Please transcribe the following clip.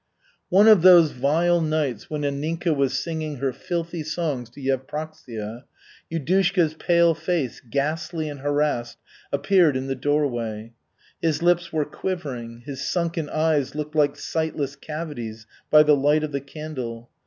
One of those vile nights when Anninka was singing her filthy songs to Yevpraksia, Yudushka's pale face, ghastly and harassed, appeared in the doorway. His lips were quivering, his sunken eyes looked like sightless cavities by the light of the candle.